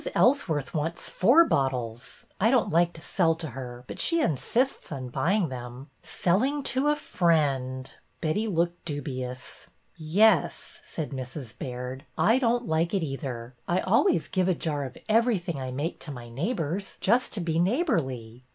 Ellsworth wants four bottles. I don't like to sell to her, but she insists on buying them. Selling to a friend —!" Betty looked dubious. Yes," said Mrs. Baird. I don't like it either. I always give a jar of everything I make to my neighbors, just to be neighborly."